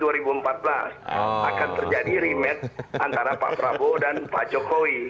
akan terjadi rematch antara pak prabowo dan pak jokowi